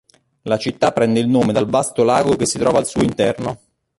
La città prende il nome dal vasto lago che si trova al suo interno.